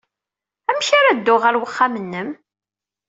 Amek ara dduɣ ɣer uxxam-nnem?